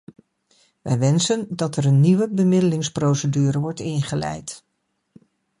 Wij wensen dat er een nieuwe bemiddelingsprocedure wordt ingeleid.